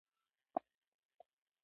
پیاله د نقاش پر کاغذ انځورېږي.